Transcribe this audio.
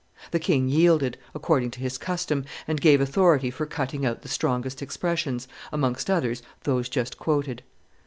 The king yielded, according to his custom, and gave authority for cutting out the strongest expressions, amongst others those just quoted.